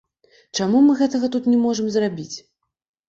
Чаму мы гэтага тут не можам зрабіць?